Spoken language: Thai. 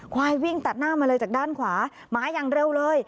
ควายวิ่งตัดหน้ามาเลยจากด้านขวาหมาอย่างเร็วเลย